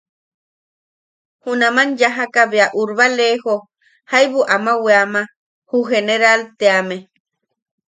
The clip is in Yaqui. Junaman yajaka bea Urbalejo jaibu ama weama ju Generaal teame.